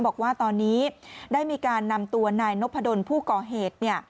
บอกว่าตอนนี้ได้มีการนำตัวนายนพดลผู้ก่อเหตุ